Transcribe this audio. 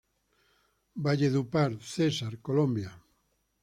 Valledupar, Cesar, Colombia.